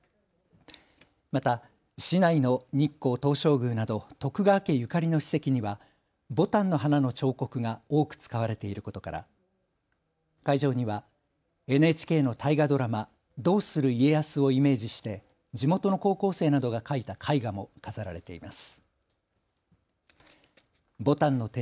また市内の日光東照宮など徳川家ゆかりの史跡にはぼたんの花の彫刻が多く使われていることから会場にはＮＨＫの大河ドラマどうする家康をイメージして地元の高校生などが描いた絵画も飾られています。